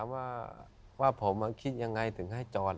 ว่าผมคิดยังไงถึงให้จอด